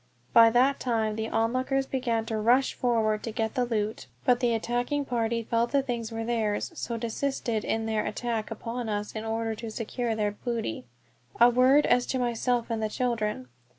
By that time the onlookers began to rush forward to get the loot, but the attacking party felt the things were theirs, so desisted in their attack upon us in order to secure their booty. A word as to myself and the children.